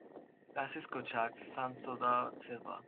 Francisco Chagas Santos da Silva.